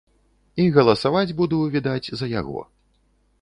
І галасаваць буду, відаць, за яго.